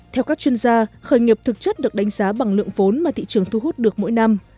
theo các chuyên gia khởi nghiệp thực chất được đánh giá bằng lượng vốn mà thị trường thu hút được mỗi năm